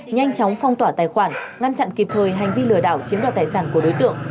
nhanh chóng phong tỏa tài khoản ngăn chặn kịp thời hành vi lừa đảo chiếm đoạt tài sản của đối tượng